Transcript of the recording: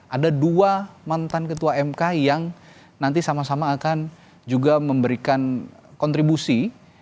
ada dua mantan ketua mk yang nanti sama sama akan juga memberikan kontribusi